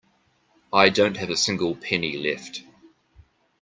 I don't have a single penny left.